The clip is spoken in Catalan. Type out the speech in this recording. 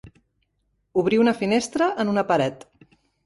Obrir una finestra en una paret.